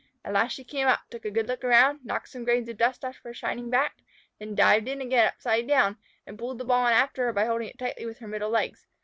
At last she came up, took a good look around, knocked some grains of dust off her shining back, then dived in again upside down, and pulled the ball in after her by holding it tightly with her middle legs.